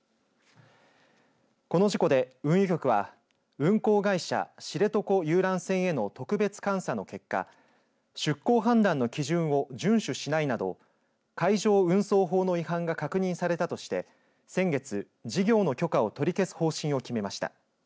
この事故で運輸局は、運航会社知床遊覧船への特別監査の結果出航判断の基準を順守しないなど海上運送法の違反が確認されたとして、先月事業の許可を取り消す方針を決めました。